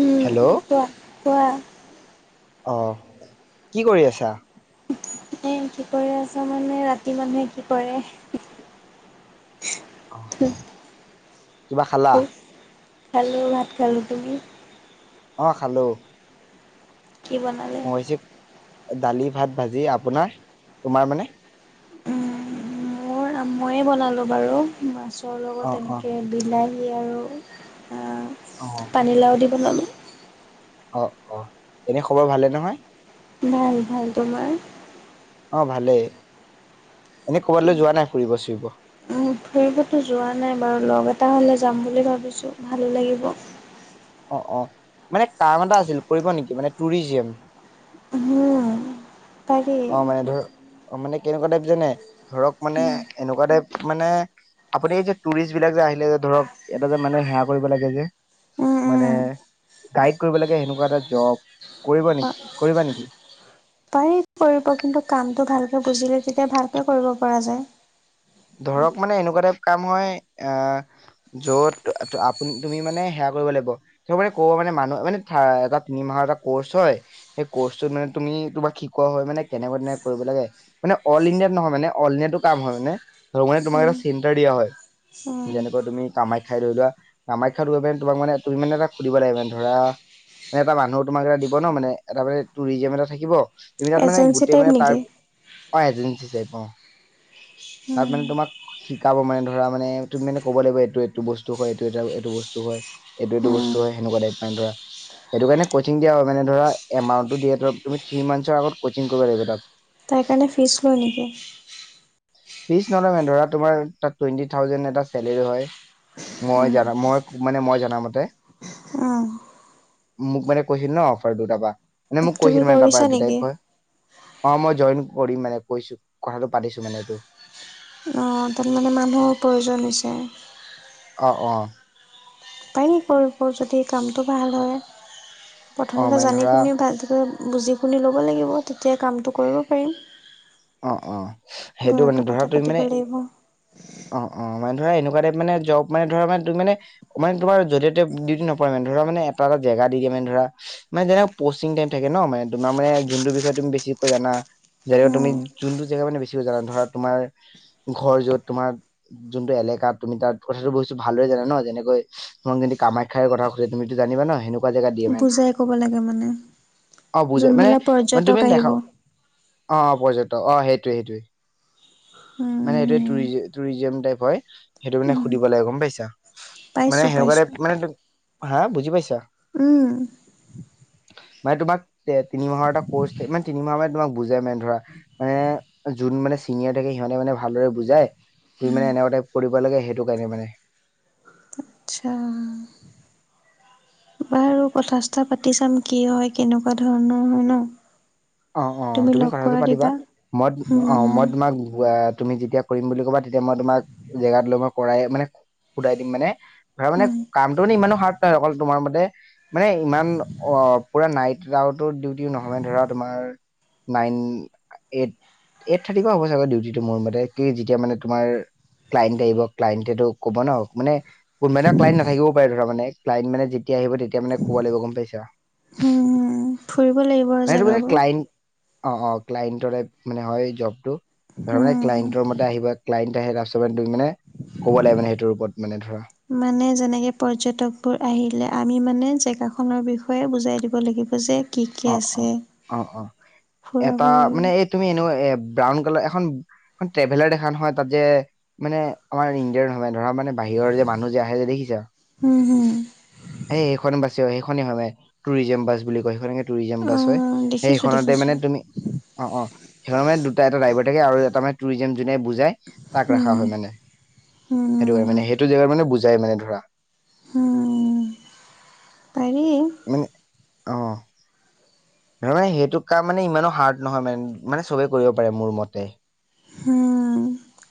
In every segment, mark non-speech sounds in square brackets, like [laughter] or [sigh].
উম hello কোৱা কোৱা অ কি কৰি আছা? এ কি কৰি আছ মানে ৰাতি মানুহে কি কৰে অ কিবা খালা? খালু ভাত খালু। তুমি? অ খালো। কি বনালে? মই হৈছে দালি ভাত ভাজি আপোনাৰ তোমাৰ মানে উম মোৰ মইয়ে বনালো বাৰু ম ছৰ অ লগত অ এনেকৈ বিলাহী আৰু অ পানীলাও দি বনালোঁ। অ', অ এনে খবৰ ভালে নহয়? ভাল ভাল। তোমাৰ? অ ভালেই। এনেই কবালৈ যোৱা নাই ফুৰিব চুৰিব? ফুৰিবতো যোৱা নাই বাৰু, লগ এটা হ'লে যাম বুলি ভাবিছোঁ, ভালো লাগিব। অ', অ, মানে কাম এটা আছিল কৰিব নেকি? মানে টুৰিজিম। হম। অ', মানে ধৰ, অ', মানে কেনেকুৱা টাইপ জানে? ধৰক মানে উম, এনেকুৱা টাইপ মানে আপুনি যে টুৰিষ্ট বিলাক যে আহিলে যে, ধৰক, এটা যে মানে সেৱা কৰিব লাগে যে। উম, মানে উম। গাইড কৰিব লাগে সেনেকুৱা এটা জব, কৰিব অ নেকি? কৰিবা নেকি? পাৰি কৰিব, কিন্তু কামটো ভালকে বুজিলে তেতিয়া ভালকে কৰিব পৰা যায়। ধৰক মানে এনেকুৱা টাইপ কাম হয়, অহ, য'ত আপুনি তুমি মানে সেৱা কৰিব লাগিব, ত মানে ক'ব ম মানুহ মানে এটা তিনি মাহৰ এটা কৰ্চ হয়, সেই কৰ্চত মানে তুমি তোমাক শিকোৱা হয় মানে কেনে তেনেকুৱা তেনেকে কৰিব লাগে, মানে অল ইণ্ডিয়াত নহয় মানে, অল ইণ্ডিয়াতো কাম হয় মানে। ধৰক মানে তোমাক এটা উম, চেনটাৰ দিয়া হয়। উম, যেনেকৈ তুমি কামাখ্যাই ধৰি লোৱা, কামাখ্যাই লৈ পানে তোমাক মানে তুমি মানে এটা সুধিব লাগিব মানে ধৰা মানে এটা মানুহ তোমাক এটা দিব নহ মানে, এটা মানে টুৰিজম এটা থাকিব। তুমি তাত মানে এজেঞ্চি গোটেই টাইপ মানে তাৰ নেকি? [unintelligible] এজেঞ্চি চ অহ। তাত মানে উম, তোমাক শিকাব মানে, ধৰা মানে তুমি মানে ক'ব লাগিব এইটো এইটো বস্তু হয়, এইটো এইটো বস্তু হয়। এইটো, এইটো উম, বস্তু হয়, সেনেকুৱা টাইপ মানে ধৰা সেইটো কাৰণে কচিং দিয়া হয়, মানে ধৰা, এমাউণ্টো দিয়ে, তুমি থ্ৰী মানথছৰ আগত কচিং কৰিব লাগিব তাত। তাৰ কাৰণে ফিজ লয় নেকি ফিজ নলয় মানে, ধৰা তোমাৰ তাত টুৱেন্টি থাউজেণ্ড এটা চেলেৰী হয়। মই জনা, মই মানে মই জনামতে। উম, মোক মানে কৈছিল নহ অফাৰ দুটাৰ বা এনে মোক তুমি কৈছিল মানে, তাৰপৰা কৰিছা এইটো নেকি? টাইপ হয়। অ', মই জইন কৰিম মানে কৈছো, কথাটো পাতিছো মানে এইটো। অঁ, তাত মানে মানুহৰ প্ৰয়োজন হৈছে। অ', অ। উপায় নাই কৰিব যদি কামটো ভাল হয়, অ প্ৰথমতে মানে জানি ধৰা শুনি ভালকৈ বুজি শুনি ল'ব লাগিব, তেতিয়া কামটো কৰিব পাৰিম। অ', অ সেইটো ঘৰতো মানে ধৰা, কথা তুমি পাতিব মানে লাগিব। উম, অ', অ, মানে ধৰা এনেকুৱা টাইপ মানে, জব মানে ধৰা মানে তুমি মানে, মানে তোমাৰ য'তে ত'তে ডিউটি নপৰে মানে, ধৰা মানে এটা এটা জী জেগা যা দি কিনে ধৰা মানে যেনেও ধৰা পষ্টিঙ টাইম থাকে নহ, মানে তোমাক মানে যোনটো বিষয়ে তুমি বেছিকৈ জানা। যদিও তুমি যোনটো জেগা মানে বেছিকৈ জানা, ধৰা, তোমাৰ ঘৰ য'ত, তোমাৰ যোনটো এলেকা তুমি তাত কথাটো কৈছোঁ ভালদৰে জানা নহ, যেনেকৈ তোমাক যদি কামাখ্যাৰ কথা সুধে, তুমিটো জানিবা নহ সেন জেগাত দিয়ে মানে ধৰা, বুজাই ক'ব লাগে মানে অ', বুজে মানে যোনবিলাক মে পৰ্যটক তুমি আহিব। দেখা অহ, প্ৰজেক্টৰ। অ', সেইটোৱেই সেইটোৱেই মানে উম, সেইটোৱেই টুৰিজিম টাইপ হয়। সেইটো মানে উম, সুধিব লাগে গম পাইছা, মানে পাইছো সেনেকুৱা পাইছো। টাইপ মানে হা, বুজি পাইছা? উম। মানে তোমাক তিনিমাহৰ এটা কৰ্চ, মানে তিনিমাহ মানে তোমাক বুজাই মানে ধৰা। মানে যোন মানে চিনিয়ৰ থাকে সিহঁতে মানে ভালদৰে বুজাই তু মানে এনেকুৱা টাইপ লাগে, সেইটো কাৰণেই মানে। আচ্ছা। বাৰু কথা-চথা পাতি চাম, কি হয়? কেনেকুৱা ধৰণৰ হয় নহ? অ', অ, তুমি কথাটো পাতিবা, মই অ', মই উম। তোমাক তুমি যেতিয়া কৰিম বুলি ক'বা, তেতিয়া মই তোমাক জেগাটোলৈ মই কৰাই মানে সুধাই দিম মানে। ধৰা মানে উম, কামটো মানে ইমানো হাৰ্ড নহয় অকল তোমাৰ মতে মানে ইমান, অ', পুৰা নাইট [unintelligible] ডিউটি নহয় ধৰা। তোমাৰ নাইন এইট। এইট থাৰ্টিৰ পৰা হ'ব চাগে ডিউটিটো মোৰ মতে কি যেতিয়া মানে তোমাৰ ক্লাইণ্ট আহিব ক্লাইণ্টেতেত' ক'ব ন' মানে কোনোবা এদিনা ক্লাইণ্ট নথাকিবও পাৰে ধৰা মানে ক্লাইন্ট মানে যে যেতিয়া আহিব তেতিয়া মানে ক'ব লাগিব, গ'ম পাইছা? হুম, ফুৰিব লাগিব আৰু জেগাবোৰ অঁ অঁ ক্লাইণ্টৰে মানে হয় জবটো, ধৰা মানে উম। ক্লাইন্টৰ মতে আহিব ক্লাইন্ট আহে তাৰপাছৰ পা হে ক'ব লাগে মানে সেইটোৰ ওপৰত ধৰা মানে যেনেকে পৰ্যটক বোৰ আহিলে আমি মানে জেগা খনৰ বিষয়ে বুজাই দিব লাগিব যে কি কি অঁ অঁ আছে অঁ অঁ ফুৰাব এটা মানে লাগিব এই তুমি এনেকা এপ ব্ৰাউন কালাৰ এখন, এখন ট্ৰেভেলাৰ দেখা নহয় তাত যে, মানে আমাৰ ইণ্ডিয়ান হয় ধৰা মানে বাহিৰ হৰ যে মানুহ যে আহে যে দেখিছা? হুম, হুম। সেইখনে হয় মে, টুৰিজম বাছ বুলি কয়, সেইখনে টুৰিজম বাছ হয়, অ', দেখিছো সেইখনতে দেখিছো মানে তুমি অঁ অঁ সেইবা মানে দুটা এটা ড্ৰাইভাৰ থাকে, আৰু এটা মানে টুৰিজিম যোনে বুজাই তাক ৰাখা উম, হয় মানে। সেইটো কাৰে হুম, মানে, সেইটো জেগাত মানে বুজাই মানে ধৰা। হুম উম উম পাৰি। অঁ। নহয় সেইটো কাম মানে ইমানো হাৰ্ড নহয় মানে, মানে সবেই কৰিব পাৰে মোৰ মতে। উম,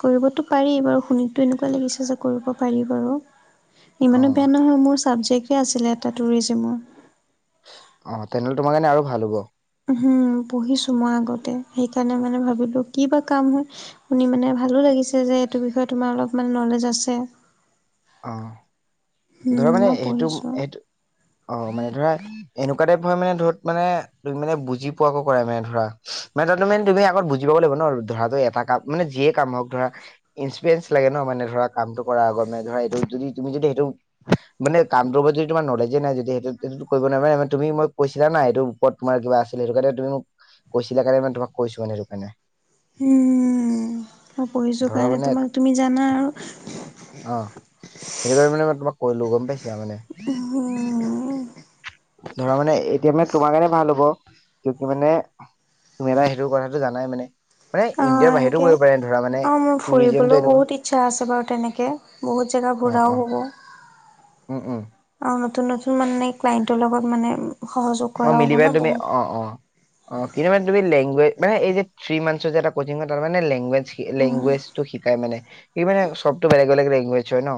কৰিবতো পাৰি বাৰু শুনোতো এনেকুৱা লাগিছে যে কৰিব পাৰি বাৰু। অ ইমানো বেয়া নহয় মোৰ চাবজেক্টে আছিলে এটা টুৰিজিমৰ। অ তেনেহ'লে তোমাৰ কাৰণে আৰু ভাল হ'ব। হম পঢ়িছো মই আগতে সেইকাৰণে মানে ভাবিলো কিবা কাম হয় শুনি মানে। ভালো লাগিছে যে এইটো বিষয়ে তোমাৰ অলপমান নলেজ আছে। আহ ধৰা উম, মানে মই সেইটো পঢ়িছো - সেইটো অ মানে ধৰা এনেকুৱা টাইপ হয় মানে ধ মানে তুমি মানে বুজি পোৱাকো কৰা মানে ধৰা। মানে তাতো তুমি তুমি আগত বুজিবও লাগিব ন ধৰাটো এটা কাম মানে যিয়ে কাম হওক ধৰা ইনস্পিয়েন্স লাগে ন। মানে ধৰা কামটো কৰাৰ আগত মানে ধৰা এইটো যদি তুমি যদি এইটো মানে কামটোৰ প্ৰতি তোমাৰ নলেজে নাই যদি, সেইটো সেইটোতো কৰিব নাপায়, তুমি মোক কৈছিলা নাই, এইটোৰ ওপৰত তোমাৰ কিবা পাইছিল, সেইটো কাৰণে তুমি মোক কৈছিলা কাৰণে তোমাক কৈছো মানে সেইটো কাৰণে। উম, ম, মই পঢ়িছো ধৰা কাৰণে মানে তোমা, তুমি জানা [unintelligible] কাৰণে মানে তোমাক কৈদিলো গম পাইছা মানে। উম, ধৰা মানে এতিয়া মানে তোমাৰ কাৰনে ভাল হব, এত মানে তুমি বা সেইটো কথাটো জানাই মানে, মানে অ' সেইটো এনেকে কৰিব পাৰে ধৰা মানে অ', মোৰ টুৰিজিমটো ফুৰিবলৈও এনেকুৱা বহুত ইচ্ছা আছে বাৰু তেনেকে, বহুত জেগা অ ঘূৰাও অ হ'ব। [inaudible] অ', নতুন, নতুন মানে ক্লাইন্টৰ লগত মানে সহযোগ অ', কৰা হ'ব মিলি বা ন তুমি বহুত। অ', অ', অ', কিন্তুমানে তুমি লেংগুৱে মানে এই যে থ্ৰী মান্থৰ যে এটা কচিং হয়, তাতমানে লেংগুৱেজ, উম, লেংগুৱেজটো শিকাই মানে। কি মানে সবতটো বেলেগ বেলেগ লেংগুৱেজ হয় ন,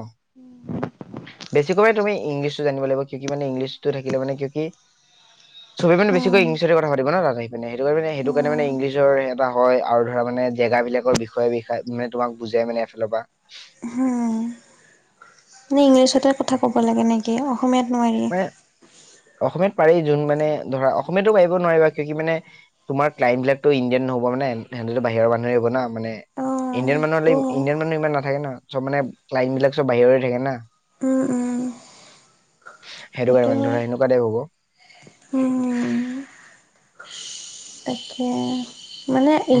বেছিকৈ তুমি ইংলিছটো জানিব লাগিব, কিয় কি মানে ইংলিছটো থাকিলে মানে কিয় কি ছবে মানে উম, বেছিকৈ ইংলিছতহে কথা পাতি না তাত সিপিনে, সেইটো কাৰনে, সেইটো কাৰণে উম, মানে ইংলিছৰ হয়, আৰু ধৰা মানে জেগা বিলাকৰ বিষয়ে বিষয়ে মানে তোমাক বুজাই মানে এফালৰ পৰা। [inaudible] হুম। নে ইংলিছতে কথা ক'ব লাগে নে কি, অসমীয়াত নোৱাৰি? মানে অসমীয়াত পাৰি যোন মানে ধৰা অসমীয়াতো পাৰিব নোৱাৰিবা, কিয় কি মানে তোমাৰ ক্লাইন্ট বিলাকটো ইণ্ডিয়ান নহ'ব, মানে এনেটো বাহিৰৰ মানুহে আহিব না, মানে অ', ইণ্ডিয়ান মানুহ হ'লে, সেইটো হয়। ইণ্ডিয়ান মানুহ ইমান নাথাকে ন, চব মানে ক্লাইণ্ট বিলাক চব বাহিৰৰে থাকে না। উম, উম, সেইটো কাৰণে মানে ধৰা সেনেকুৱা টাইপ হ'ব। উম, তাকে।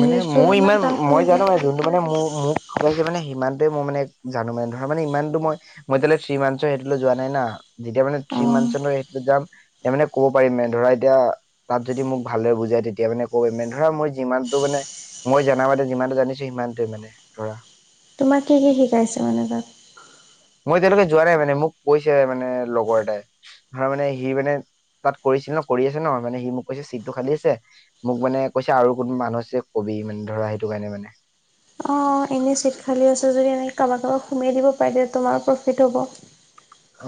মানে মই অলপমান ইমান টাফ মই হয়গে। জানো আৰু যোনটো মানে মোৰ মোক সাইছে মানে সিমানটোৱে মই মানে জানো মানে ধৰা মানে ইমানতো মই মই তেতিয়াললে থ্ৰী মান্থৰ সেইটোলৈ যোৱা নাই না যেতিয়া মানে থ্ৰী অ', মানত যাম ত মানে ক'ব পাৰিমে ধৰা এতিয়া তাত যদি মোক ভালৰে বুজাই তেতিয়া মানে মানে ধৰা মই যিমানতটো মানে মই জাম মাতে যিমানটো জানিছো সিমানটোৱে মানে ধৰা। তোমাক কি- কি শিকাইছে মানে তাত মই এতিয়ালৈকে যোৱা নাই মানে মোক কৈছে মানে লগৰ এটাই ধৰা মানে সি মানে তাত কৰিছিল ন কৰি আছে ন মানে সি মোক কৈছে চিটটো খালি আছে মোক মানে কৈছে আৰু কোনো মানুহ ক মানে ধৰা সেইটো কাৰণে মানে অ', অ, এনেই চিট খালী আছে যদি এনেকৈ কাৰোবাক কাৰোবাক সোমাই দিব পাৰে তে তোমাৰ প্ৰফিট হ'ব।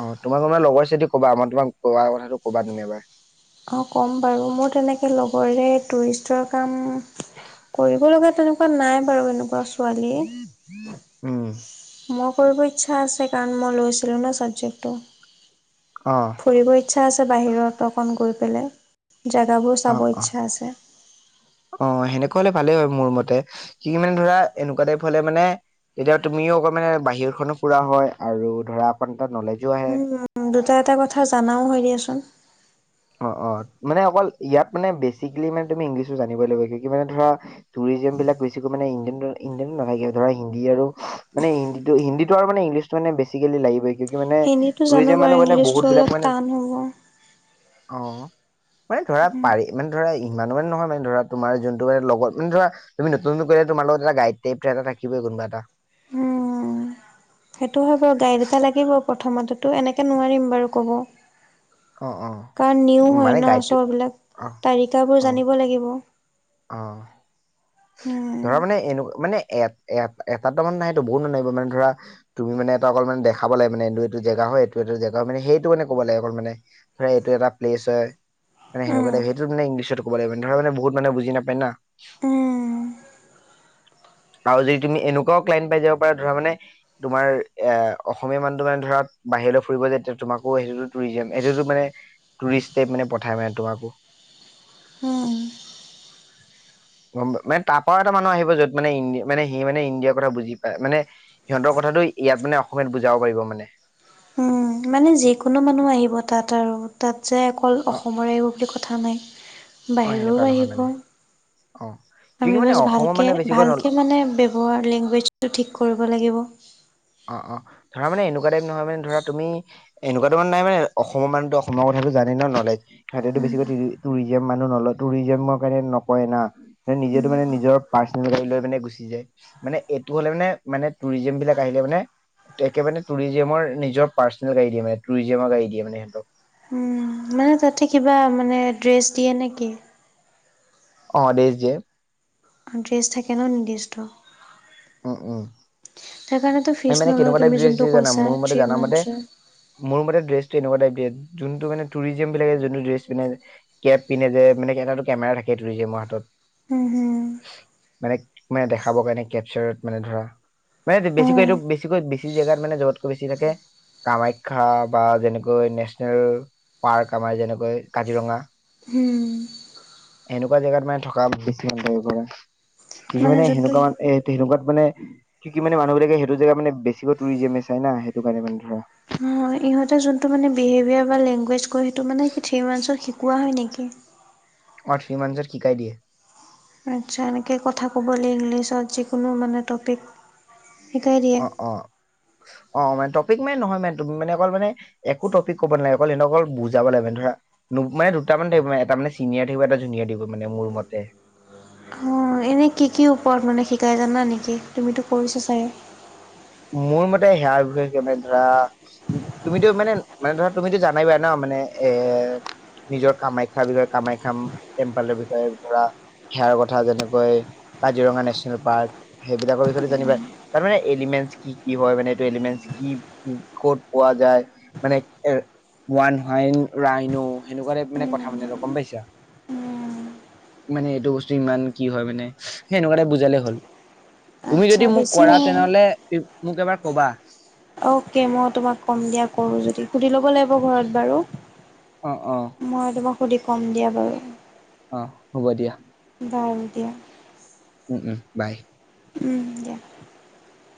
অ, তোমাক তোমাৰ লগৰ চতি কবা আমাৰ তোমাক ক কথাটো কবা তুমি এবাৰ অ ক'ম বাৰু মোৰ তেনেকে লগৰৰে টুৰিষ্টৰ কাম কৰিব লগা তেনেুৱা নাই বাৰু এনেকুৱা। ছোৱালী। উম, মই কৰিব ইচ্ছা আছে কাৰণ মই লৈছিলো ন অ ছাবজেক্টটো ফুৰিবচ ইচ্ছা আছে বাহিৰত অকণ গৈ পেলাই জেগাবোৰ অ চাব অ ইচ্ছা আছে। অ, সেনেকুৱা হলে ভালেই হয় মোৰ মতে কি মানে ধৰা এনেকুৱা টাইপ হলে মানে তেতিয়া তুমিও অকণ মানে বাহিৰখনো পুৰা হয় আৰু ধৰা অকণ এটা নলেজো আহে উম দুটা এটা কথা জানাও হয় দিয়াচোন অ - অ মানে অকল ইয়াত মানে বেচিকেলি মানে তুমি ইংলিছো জানিব লাগিব মানে ধৰা। ৰিজন বিলাক ইন্ডিয়ান ইন্ডিয়ান নহয় গে ধৰা ইন্ডিয়ান হক হিন্দী মানে আৰু ইংলিশ মানে বেছিকেলি লাগিবই ক কি মানে হিন্দীটো জানো টুৰিজম বাৰু মানহ মানে বহুত ইংলিছটো বিলাক অলপ মানে। টান হ'ব। অ', মানে ধৰা পাৰি মানে ধৰা। মনুৱাল নহয় মানে ধৰা তোমাৰ জোনটোৱে লগত ধৰা তুমি নতুন - নতুন কৰিলে তোমাৰ লগত এটা গাইড দিয়ে টাইপ থাকিবই কোনবা এটা। উম, সেইটো হব গাড়ী এটা লাগিব। প্ৰথমতেতো এনেকৈ নোৱাৰিম বাৰু ক'ব। অ', অ'। কাৰণ নিউ মানে হৈ না গাইডটো শো বিলাক অ', তালিকাবোৰ অ', জানিব লাগিব। অ উম এট - এটএটাতো নাই নাহে বহুত মানুহ আহিব ধৰা তুমি অলপ মান দেখাব লাগিব এইটো - এইটো জেগা। হয় এইটো - এইটো জেগা হয় মানে সেইটো মানে ক'ব লাগে অকল মানে ধৰা এইটো এটা প্লেছ হয়। মানে উম সেনেকুৱা সেইটো মানে ইংলিছত ক'ব লাগিব তেনেলে মানে বহুত মানুে বুজি নাপায় না। উম [inaudible] আৰু যদি তুমি এনেকুৱাও ক্লাইণ্ট পাই যাব পাৰা ধৰা মানে তোমাৰ এ অসমীয়া মানুহটো মানে ধৰা বাহিৰলৈ ফুৰিব যেতিয়া তোমাকো সেইটোতো টুৰিজম সেইটোতো মানে টুৰিষ্ট টাইপ পঠাই। [unintelligible] উম। গম মানে তাৰপা এটা মানুহ আহিব যত মানে মানে সি মানে ইণ্ডিয়াৰ কথা বুজি পায় মানে সিহতৰ কথা। কথাটো ইয়াত মানে অসমীয়াত বুজাব পাৰিব মানে। উম, মানে যিকোনো মানুহ আহিব এটা - এটাৰ তাত যে অকল অ অসমৰে হোক কথা নাই অ বাহিৰৰো সেনেকুৱা নহয় আহিব। মানে অ কি কি আমি মানে বাছ অসমৰ মানে ভালকে - বেছিকৈ নল ভালকে মানে ব্যৱহাৰ লেংগুৱেজটো ঠিক কৰিব লাগিব। অ অ ধৰা মানে এনেকুৱা টাইপ নহয় মানে ধৰা তুমি এনেকুৱা তাৰান নাই মানে অসমৰ মানুহটো অসমৰ কথ হাতেতো বেছিকৈ টুৰিজি মানুহ নলয় টুৰিজিমৰ কাৰণে নকয় না। নিজেটো উম, মানে নিজৰ পাৰ্চনেল গাড়ী লৈ মানে গুচি যায় মানে এইটো হ'লে মানে মানেটুৰিজম বিলাক আহিলে মানে একেবাৰে টুৰিজেমৰ নিজৰাৰ্চনে গাড়ী দিয়োনে টুৰিজেম গাড়ী দিয়ো সিহতক উম মানে তাতে কিবা মানে ড্ৰেছ দিয়ে নেকি অ, দে যে। আৰু ড্ৰেছ থাকেনো নিৰ্দিষ্ট। উম উম তাৰ কাৰণেতো এই ফিজ মানে নলওঁ কেনেকুৱা টাইপ তুমি ড্ৰেছ যোনটো দিয়ে জানাম কৈছা মোৰ মতে থ্ৰী জানা মতে মান্থছৰ। মোৰ মতে ড্ৰেছটো এনেকুৱা টাইপ যোনটো মানে টুৰিজিম বিলাকে যোনটো ড্ৰেছ পিন্ধে কেপ পিন্ধ যে মানে এটাটো কেমেৰা থাকে টুৰিজমৰ হাতত হ, হ। মানে, মানে দেখাবৰ কাৰণে কেপচাৰত মানে ধৰা মানে বেছিকৈ অ', এইটো, বেছিকৈ, বেছি জেগাত মানে জবতকৈ বেছি থাকে। কামাখ্যা বা যেনেকৈ নেশচনেল পাৰ্ক আমাৰ যেনেকৈ কাজিৰঙা। হুম, এনেকুৱা জেগাত মানে থকা বেছি [unintelligible] কিন্তু মানে সেনেকুৱা এ, তেনেকুৱাত মানে কি কি মানে মানুহ বিলাকে হেটো জেগা মানে বেছিকৈ টুৰিজিমে চাই না হেটো কাৰণে মানে ধৰা। হয় ইহঁতে যোনটো মান বিহেভিয়াৰ বা লেংগুৱেজ কয় সেইটো মানে কি থ্ৰী মানচৰ কোৱা হয় নেকি? অথ সিমানজত শিকাই দিয়ে। আচ্ছা এনেকৈ কথা ক'বলৈ ইংলিছত যিকোনো মানে টপিক শিকাই দিয়ে। অ অ অ' মান টপিক মানে নহয় মান তুমি মানে অকল মানে একো টপিক ক'ব নালাগে অকল এনকল বুজাব লাগেন ধৰা মানে দুটামান থাকিব এটা মানে চিনিয়াৰ থাকিব, এটা জুনিয়াৰ দিব মানে মোৰ মতে। অ' এনেই কি কি ওপৰত মানে শিকাই জানা নেকি? তুমিতো কৰিছা চাগে। মোৰ মতে হেয়াৰ বিষয়ে কিবা ধৰা তুমিতো মানে, মানে ধৰা তুমিতো জানাই বাই ন মানে এ নিজৰ কামাখ্যাৰ বিষয়ে, কামাখ্যা টেম্পেলৰ বিষয়ে ধৰা। সেয়াৰ কথা যেনেকৈ কাজিৰঙা নেচনেল পাৰ্ক, সেইবিলাকৰ বিষয়েটো জানিবা, তাত মানে এলিমেন্ট কি, কি হয়, মানে এইটো এলিমেন্ট কি, ক'ত পোৱা যায়? মানে এ ওৱান হাইন ৰাইনো, সেনেকুৱাত টাইপ মানে কথা মানে গম পাইছা? মানে এইটো বস্তু ইমান কি হয় মানে সেই এনেকুৱা টাইপ বুজালে হ'ল। তুমি আচ্ছা যদি মোক বেছি কৰা নহয়। তেনেহ'লে ফি, মোক এবাৰ ক'বা। অ'কে মই তোমাক কম দিয়া কৰোঁ যদি। সুধি ল'ব লাগিব ঘৰত বাৰু। অ অ মই তোমাক সুধি কম দিয়া বাৰু। অ' হ'ব দিয়া। বাৰু দিয়া। উ, উ বাই। উম দিয়া।